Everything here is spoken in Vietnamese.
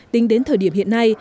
tính đến thời điểm hiện nay